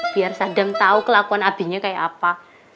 biar sadam tau kelakuan abinya kayak apa